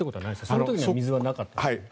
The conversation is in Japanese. その時には水はなかった？